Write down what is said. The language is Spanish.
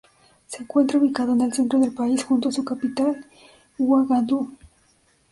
Se encuentra ubicado en el centro del país, junto a su capital, Uagadugú.